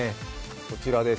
こちらです。